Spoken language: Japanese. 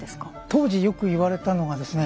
当時よく言われたのがですね